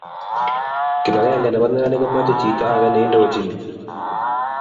Kibagenge nebo neranik komachei chito age neindochini